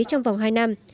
trong vòng hai năm